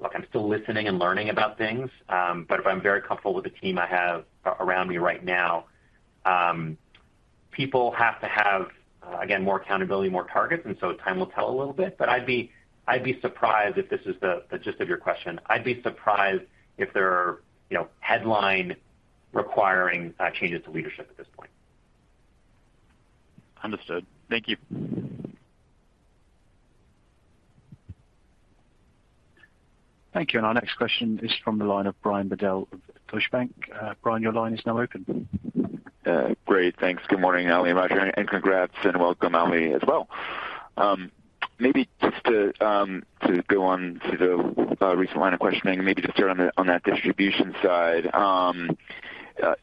B: Look, I'm still listening and learning about things, but I'm very comfortable with the team I have around me right now. People have to have, again, more accountability, more targets, and so time will tell a little bit. I'd be surprised if this is the gist of your question. I'd be surprised if there are, you know, headlines requiring changes to leadership at this point.
G: Understood. Thank you.
A: Thank you. Our next question is from the line of Brian Bedell of Deutsche Bank. Brian, your line is now open.
H: Great. Thanks. Good morning, Ali and Roger, and congrats and welcome, Ali, as well. Maybe just to go on to the recent line of questioning and maybe just start on that distribution side.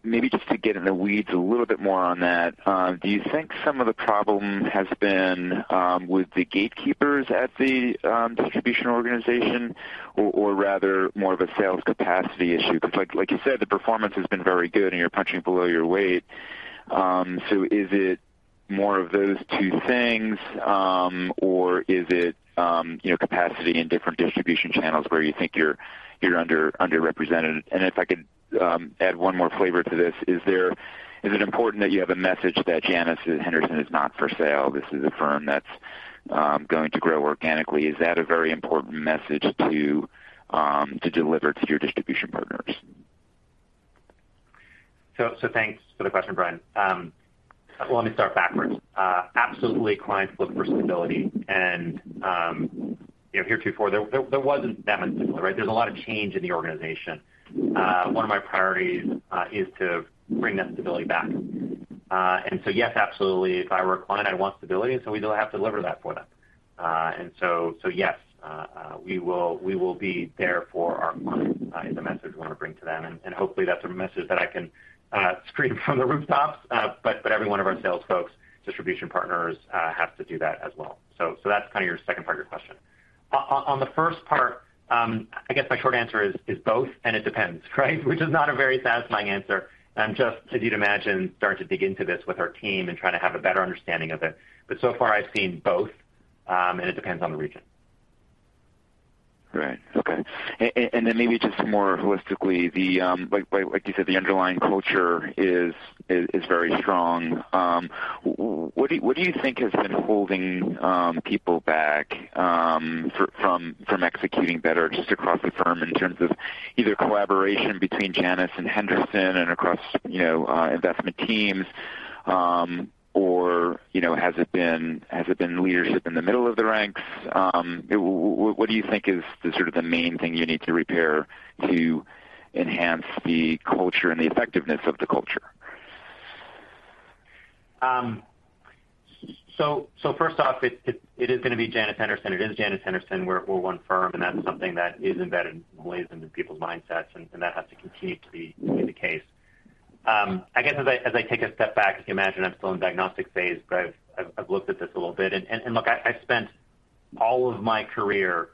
H: Maybe just to get in the weeds a little bit more on that, do you think some of the problem has been with the gatekeepers at the distribution organization or rather more of a sales capacity issue? 'Cause like you said, the performance has been very good and you're punching below your weight. So is it more of those two things or is it you know, capacity in different distribution channels where you think you're underrepresented? If I could add one more flavor to this, is it important that you have a message that Janus Henderson is not for sale? This is a firm that's going to grow organically. Is that a very important message to deliver to your distribution partners?
B: Thanks for the question, Brian. Well, let me start backwards. Absolutely, clients look for stability and, you know, heretofore there wasn't that much stability, right? There's a lot of change in the organization. One of my priorities is to bring that stability back. Yes, absolutely. If I were a client, I'd want stability, and so we will have to deliver that for them. Yes, we will be there for our clients is the message we want to bring to them. Hopefully that's a message that I can scream from the rooftops. Every one of our sales folks, distribution partners, have to do that as well. That's kind of your second part of your question. On the first part, I guess my short answer is both, and it depends, right? Which is not a very satisfying answer. I'm just, as you'd imagine, starting to dig into this with our team and trying to have a better understanding of it. So far I've seen both, and it depends on the region.
H: Right. Okay. Then maybe just more holistically, like you said, the underlying culture is very strong. What do you think has been holding people back from executing better just across the firm in terms of either collaboration between Janus and Henderson and across, you know, investment teams? Or, you know, has it been leadership in the middle of the ranks? What do you think is the sort of the main thing you need to repair to enhance the culture and the effectiveness of the culture?
B: First off, it is gonna be Janus Henderson. It is Janus Henderson. We're one firm, and that's something that is embedded always into people's mindsets, and that has to continue to be the case. I guess as I take a step back, as you imagine, I'm still in diagnostic phase, but I've looked at this a little bit. Look, I spent all of my career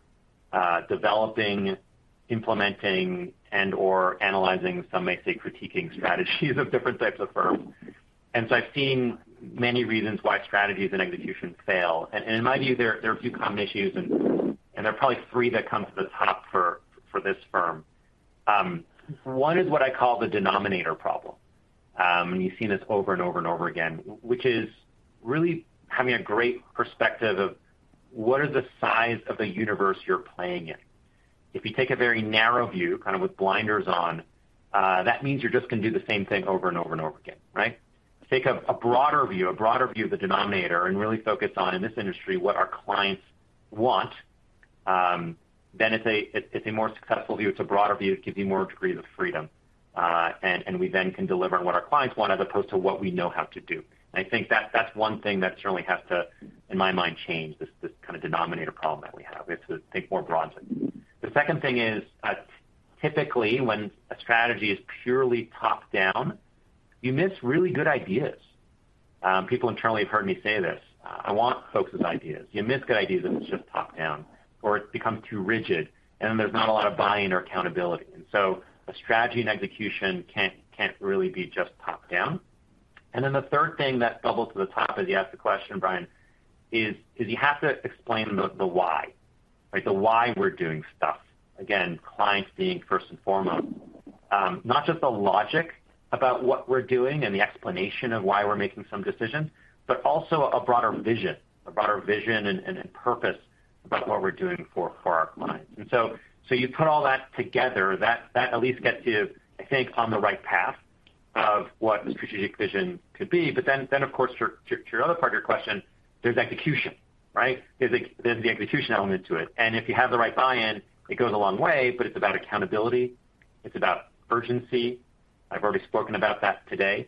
B: developing, implementing, and/or analyzing, some may say critiquing strategies of different types of firms. I've seen many reasons why strategies and execution fail. In my view, there are a few common issues and there are probably three that come to the top for this firm. One is what I call the denominator problem. You've seen this over and over and over again, which is really having a great perspective of what is the size of the universe you're playing in. If you take a very narrow view, kind of with blinders on, that means you're just gonna do the same thing over and over and over again, right? Take a broader view, a broader view of the denominator and really focus on, in this industry, what our clients want, then it's a more successful view. It's a broader view. It gives you more degrees of freedom. And we then can deliver on what our clients want as opposed to what we know how to do. I think that's one thing that certainly has to, in my mind, change this kind of denominator problem that we have. We have to think more broadly. The second thing is, typically, when a strategy is purely top-down, you miss really good ideas. People internally have heard me say this. I want folks' ideas. You miss good ideas if it's just top-down or it becomes too rigid, and then there's not a lot of buy-in or accountability. A strategy and execution can't really be just top-down. The third thing that bubbles to the top as you ask the question, Brian, is you have to explain the why. Like the why we're doing stuff. Again, clients being first and foremost. Not just the logic about what we're doing and the explanation of why we're making some decisions, but also a broader vision and purpose about what we're doing for our clients. You put all that together, that at least gets you, I think, on the right path of what the strategic vision could be. Then of course, to your other part of your question, there's execution, right? There's the execution element to it. If you have the right buy-in, it goes a long way, but it's about accountability. It's about urgency. I've already spoken about that today.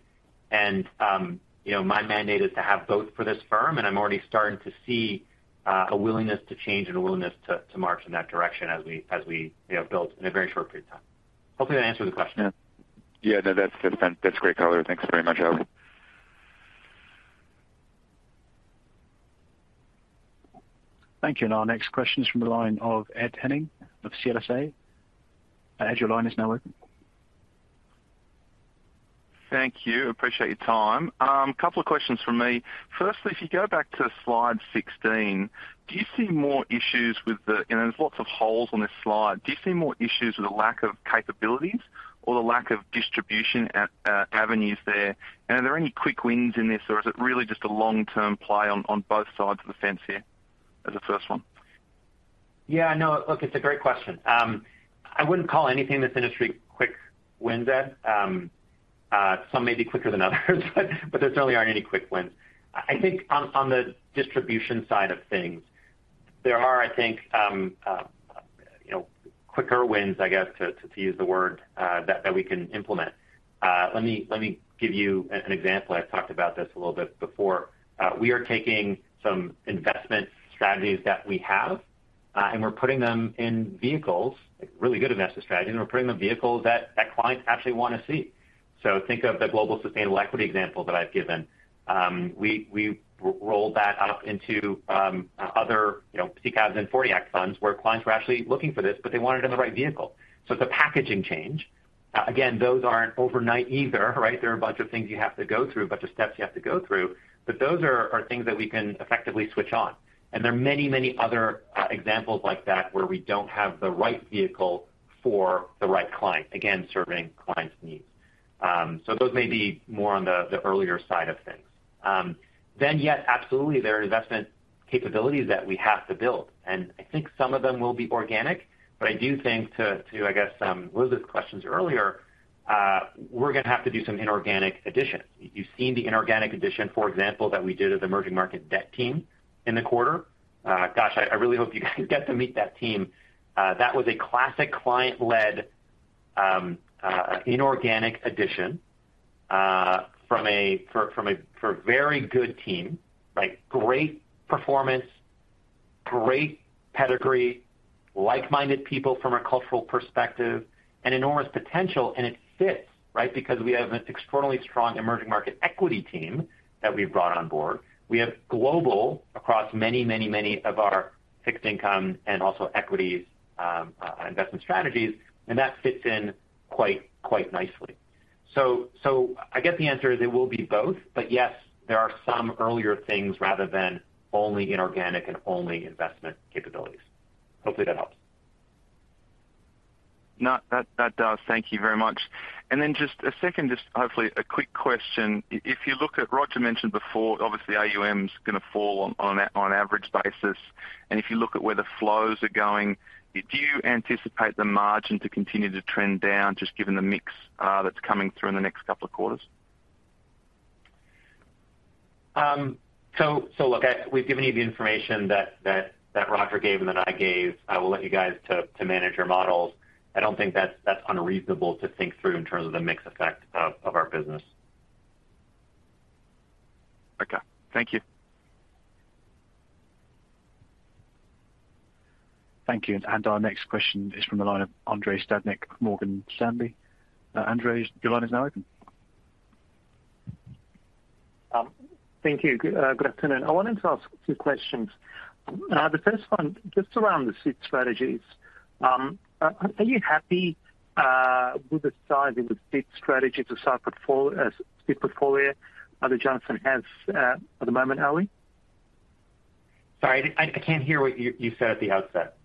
B: You know, my mandate is to have both for this firm, and I'm already starting to see a willingness to change and a willingness to march in that direction as we you know, build in a very short period of time. Hopefully, that answers the question.
H: Yeah. No, that's great color. Thanks very much, Ali.
A: Thank you. Our next question is from the line of Ed Henning of CLSA. Ed, your line is now open.
I: Thank you. Appreciate your time. Couple of questions from me. Firstly, if you go back to slide 16, there's lots of holes on this slide. Do you see more issues with the lack of capabilities or the lack of distribution at avenues there? Are there any quick wins in this, or is it really just a long-term play on both sides of the fence here as a first one?
B: Yeah. No. Look, it's a great question. I wouldn't call anything in this industry quick wins, Ed. Some may be quicker than others, but there certainly aren't any quick wins. I think on the distribution side of things, there are, I think, you know, quicker wins, I guess, to use the word that we can implement. Let me give you an example. I've talked about this a little bit before. We are taking some investment strategies that we have, and we're putting them in vehicles, like really good investment strategies, and we're putting them in vehicles that clients actually wanna see. So think of the global sustainable equity example that I've given. We roll that up into other, you know, SICAV and '40 Act funds where clients were actually looking for this, but they want it in the right vehicle. It's a packaging change. Again, those aren't overnight either, right? There are a bunch of things you have to go through, a bunch of steps you have to go through. Those are things that we can effectively switch on. There are many, many other examples like that, where we don't have the right vehicle for the right client, again, serving clients' needs. Those may be more on the earlier side of things. Yes, absolutely. There are investment capabilities that we have to build, and I think some of them will be organic. I do think, I guess, one of those questions earlier, we're gonna have to do some inorganic additions. You've seen the inorganic addition, for example, that we did at the emerging market debt team in the quarter. Gosh, I really hope you guys get to meet that team. That was a classic client-led inorganic addition from a very good team, like great performance, great pedigree, like-minded people from a cultural perspective and enormous potential. It fits, right? Because we have an extraordinarily strong emerging market equity team that we've brought on board. We have global across many of our fixed income and also equities investment strategies, and that fits in quite nicely. I guess the answer is it will be both, but yes, there are some earlier things rather than only inorganic and only investment capabilities. Hopefully that helps.
I: No, that does. Thank you very much. Then just a second, just hopefully a quick question. If you look at what Roger mentioned before, obviously AUM's gonna fall on an average basis. If you look at where the flows are going, do you anticipate the margin to continue to trend down just given the mix that's coming through in the next couple of quarters?
B: Look, we've given you the information that Roger gave and that I gave. I will let you guys to manage your models. I don't think that's unreasonable to think through in terms of the mix effect of our business.
I: Okay. Thank you.
A: Thank you. Our next question is from the line of Andrei Stadnik, Morgan Stanley. Andrei, your line is now open.
J: Thank you. Good afternoon. I wanted to ask two questions. The first one just around the seed strategies. Are you happy with the size and the seed strategy to start seed portfolio that Janus has at the moment, Ali?
B: Sorry, I can't hear what you said at the outset.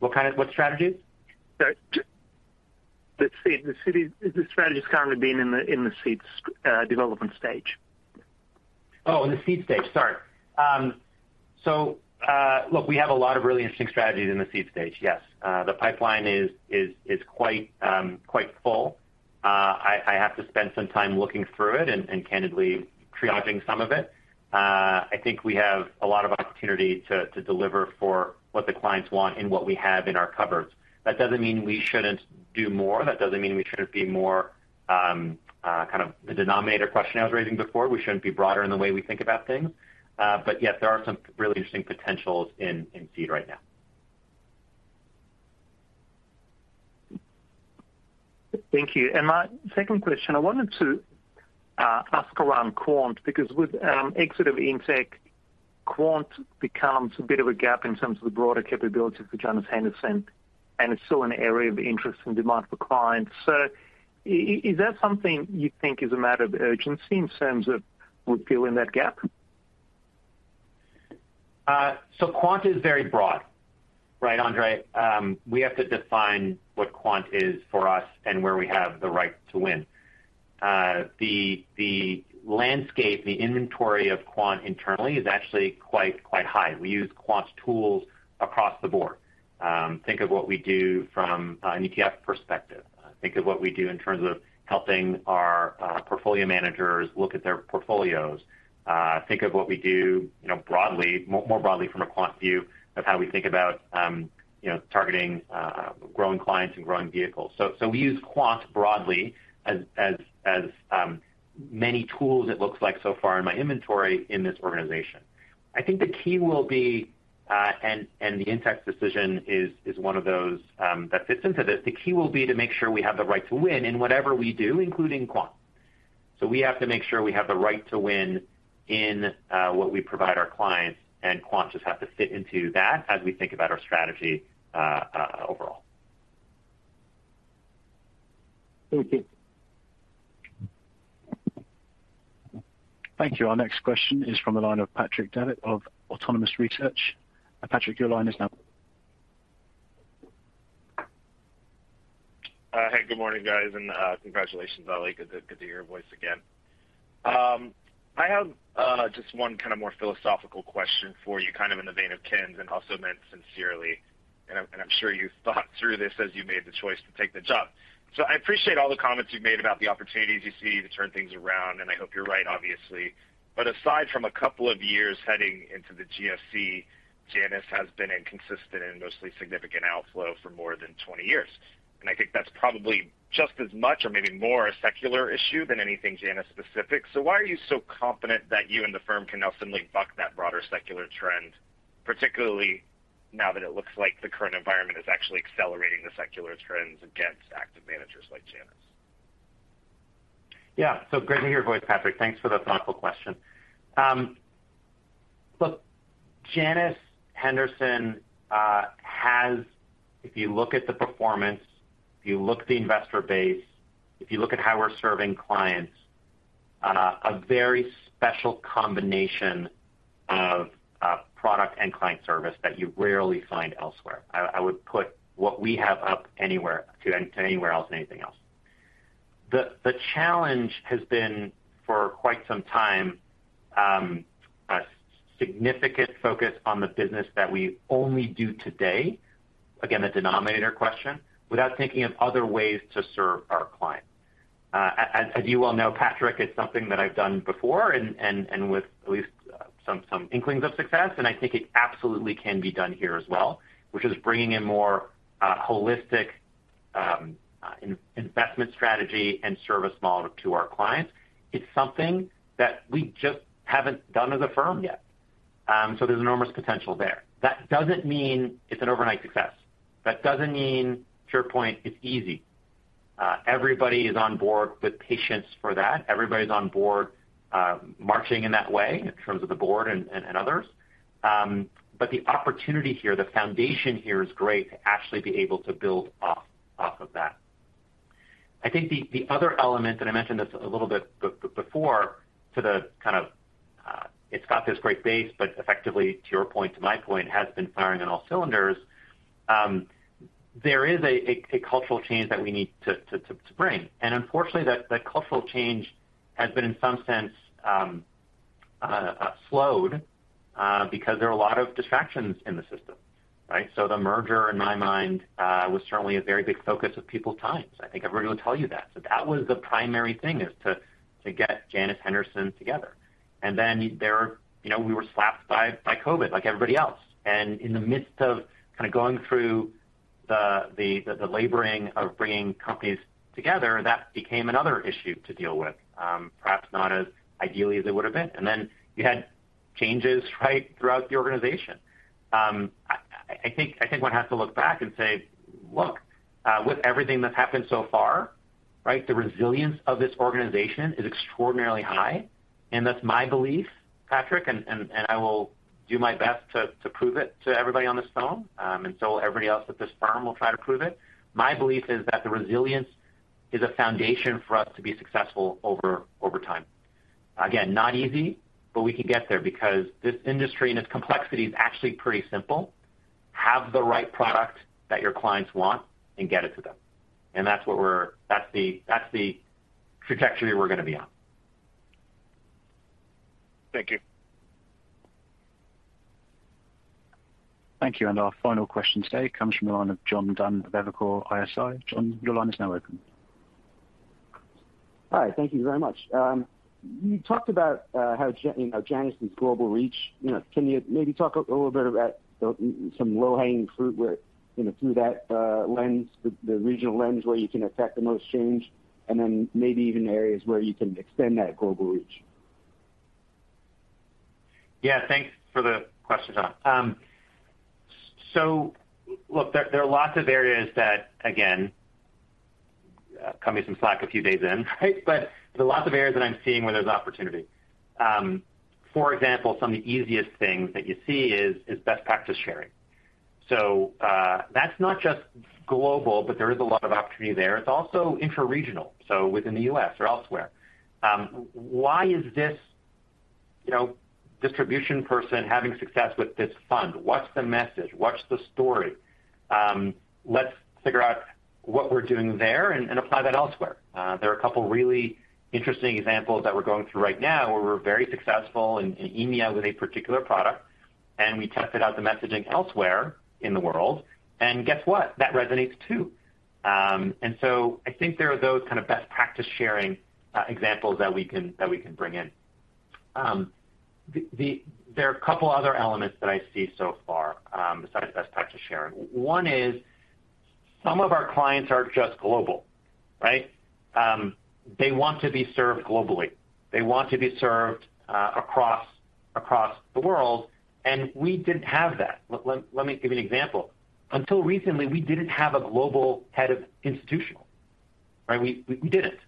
B: What kind of strategies?
J: Sorry. The strategies currently being in the seed development stage.
B: Oh, in the seed stage. Sorry. Look, we have a lot of really interesting strategies in the seed stage. Yes. The pipeline is quite full. I have to spend some time looking through it and candidly triaging some of it. I think we have a lot of opportunity to deliver for what the clients want and what we have in our covers. That doesn't mean we shouldn't do more. That doesn't mean we shouldn't be more kind of the denominator question I was raising before. We shouldn't be broader in the way we think about things. Yes, there are some really interesting potentials in seed right now.
J: Thank you. My second question, I wanted to ask around quant because with exit of Intech, quant becomes a bit of a gap in terms of the broader capabilities for Janus Henderson, and it's still an area of interest and demand for clients. Is that something you think is a matter of urgency in terms of we're filling that gap?
B: Quant is very broad, right, Andrei? We have to define what quant is for us and where we have the right to win. The landscape, the inventory of quant internally is actually quite high. We use quant tools across the board. Think of what we do from an ETF perspective. Think of what we do in terms of helping our portfolio managers look at their portfolios. Think of what we do, you know, broadly, more broadly from a quant view of how we think about, you know, targeting growing clients and growing vehicles. We use quant broadly as many tools it looks like so far in my inventory in this organization. I think the key will be, and the Intech decision is one of those, that fits into this. The key will be to make sure we have the right to win in whatever we do, including quant. We have to make sure we have the right to win in what we provide our clients, and quant just have to fit into that as we think about our strategy, overall.
J: Thank you.
A: Thank you. Our next question is from the line of Patrick Davitt of Autonomous Research. Patrick, your line is now.
K: Hey, good morning, guys, and congratulations, Ali. Good to hear your voice again. I have just one kind of more philosophical question for you, kind of in the vein of Ken's and also meant sincerely. I'm sure you've thought through this as you made the choice to take the job. I appreciate all the comments you've made about the opportunities you see to turn things around, and I hope you're right, obviously. Aside from a couple of years heading into the GFC, Janus has been inconsistent and mostly significant outflow for more than 20 years. I think that's probably just as much or maybe more a secular issue than anything Janus specific. Why are you so confident that you and the firm can now suddenly buck that broader secular trend, particularly now that it looks like the current environment is actually accelerating the secular trends against active managers like Janus?
B: Yeah. Great to hear your voice, Patrick. Thanks for the thoughtful question. Look, Janus Henderson has, if you look at the performance, if you look at the investor base, if you look at how we're serving clients, a very special combination of a product and client service that you rarely find elsewhere. I would put what we have up anywhere to anywhere else and anything else. The challenge has been for quite some time, a significant focus on the business that we only do today. Again, the denominator question, without thinking of other ways to serve our clients. As you well know, Patrick, it's something that I've done before and with at least some inklings of success, and I think it absolutely can be done here as well, which is bringing in more holistic investment strategy and service model to our clients. It's something that we just haven't done as a firm yet. There's enormous potential there. That doesn't mean it's an overnight success. That doesn't mean, to your point, it's easy. Everybody is on board with patience for that. Everybody's on board, marching in that way in terms of the board and others. The opportunity here, the foundation here is great to actually be able to build off of that. I think the other element, and I mentioned this a little bit before to the kind of, it's got this great base, but effectively, to your point, to my point, has been firing on all cylinders. There is a cultural change that we need to bring. Unfortunately that cultural change has been in some sense slowed because there are a lot of distractions in the system, right? The merger, in my mind, was certainly a very big focus of people's time. I think everybody will tell you that. That was the primary thing, is to get Janus Henderson together. Then there. You know, we were slapped by COVID like everybody else. In the midst of kind of going through the laboring of bringing companies together, that became another issue to deal with. Perhaps not as ideally as it would have been. Then you had changes, right, throughout the organization. I think one has to look back and say, "Look, with everything that's happened so far, right, the resilience of this organization is extraordinarily high." That's my belief, Patrick, and I will do my best to prove it to everybody on this phone. So will everybody else at this firm try to prove it. My belief is that the resilience is a foundation for us to be successful over time. Again, not easy, but we can get there because this industry and its complexity is actually pretty simple. Have the right product that your clients want and get it to them. That's the trajectory we're gonna be on.
K: Thank you.
A: Thank you. Our final question today comes from the line of John Dunn of Evercore ISI. John, your line is now open.
L: Hi, thank you very much. You talked about how Janus' global reach. You know, can you maybe talk a little bit about some low-hanging fruit where, you know, through that lens, the regional lens where you can affect the most change, and then maybe even areas where you can extend that global reach?
B: Yeah, thanks for the question, John. There are lots of areas that, again, cut me some slack a few days in, right? There are lots of areas that I'm seeing where there's opportunity. For example, some of the easiest things that you see is best practice sharing. That's not just global, but there is a lot of opportunity there. It's also intra-regional, so within the U.S. or elsewhere. Why is this, you know, distribution person having success with this fund? What's the message? What's the story? Let's figure out what we're doing there and apply that elsewhere. There are a couple really interesting examples that we're going through right now where we're very successful in EMEA with a particular product, and we tested out the messaging elsewhere in the world. Guess what? That resonates, too. I think there are those kind of best practice sharing examples that we can bring in. There are a couple other elements that I see so far, besides best practice sharing. One is some of our clients are just global, right? They want to be served globally. They want to be served across the world, and we didn't have that. Let me give you an example. Until recently, we didn't have a global head of institutional, right? We didn't.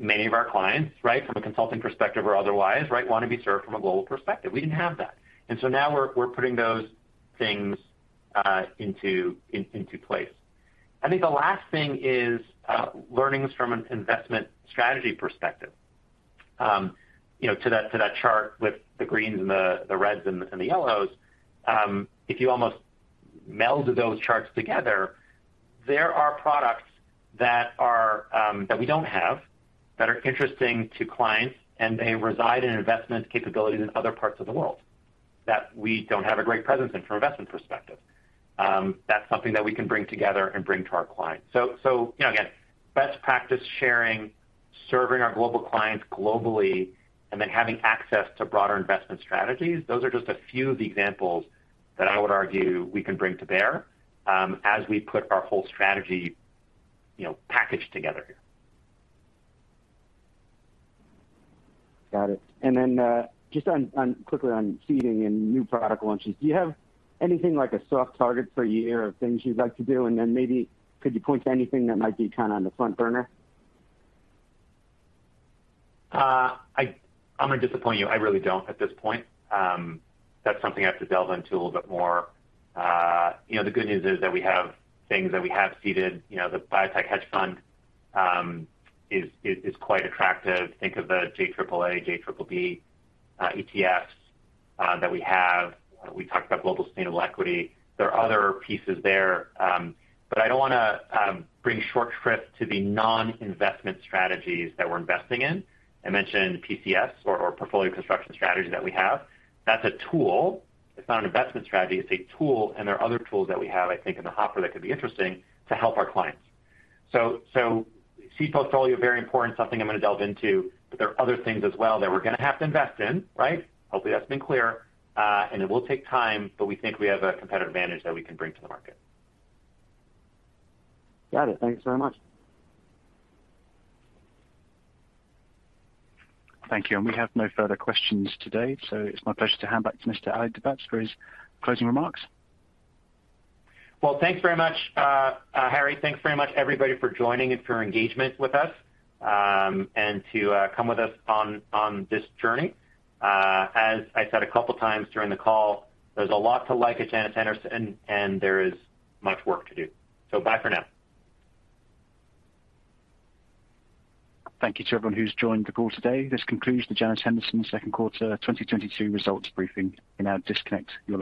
B: Many of our clients, right, from a consulting perspective or otherwise, right, wanna be served from a global perspective. We didn't have that. Now we're putting those things into place. I think the last thing is learnings from an investment strategy perspective. You know, to that chart with the greens and the reds and the yellows, if you almost meld those charts together, there are products that we don't have that are interesting to clients, and they reside in investment capabilities in other parts of the world that we don't have a great presence in from an investment perspective. That's something that we can bring together and bring to our clients. So, you know, again, best practice sharing, serving our global clients globally, and then having access to broader investment strategies. Those are just a few of the examples that I would argue we can bring to bear, as we put our whole strategy, you know, package together here.
L: Got it. just on quickly on seeding and new product launches, do you have anything like a soft target for a year of things you'd like to do? maybe could you point to anything that might be kind of on the front burner?
B: I'm gonna disappoint you. I really don't at this point. That's something I have to delve into a little bit more. You know, the good news is that we have things that we have seeded. You know, the biotech hedge fund is quite attractive. Think of the JAAA, JBBB ETFs that we have. We talked about global sustainable equity. There are other pieces there, but I don't wanna bring short shrift to the non-investment strategies that we're investing in. I mentioned PCS or portfolio construction strategy that we have. That's a tool. It's not an investment strategy. It's a tool. There are other tools that we have, I think, in the hopper that could be interesting to help our clients. Seed portfolio, very important, something I'm gonna delve into, but there are other things as well that we're gonna have to invest in, right? Hopefully, that's been clear. It will take time, but we think we have a competitive advantage that we can bring to the market.
L: Got it. Thank you so much.
A: Thank you. We have no further questions today, so it's my pleasure to hand back to Mr. Ali Dibadj for his closing remarks.
B: Well, thanks very much, Harry. Thanks very much everybody for joining and for your engagement with us, and to come with us on this journey. As I said a couple times during the call, there's a lot to like at Janus Henderson, and there is much work to do. Bye for now.
A: Thank you to everyone who's joined the call today. This concludes the Janus Henderson second quarter 2022 results briefing. You may now disconnect your lines.